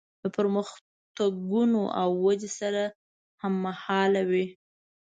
له پرمختګونو او ودې سره هممهاله وي.